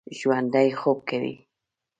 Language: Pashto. ژوندي خوب کوي